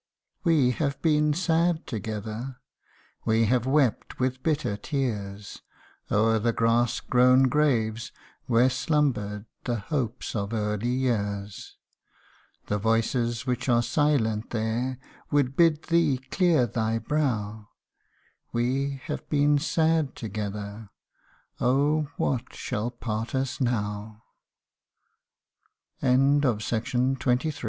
We have been sad together, We have wept with bitter tears, O'er the grass grown graves, where slumbered The hopes of early years. The voices which are silent there Would bid thee clear thy brow ; We have been sad together Oh I what shal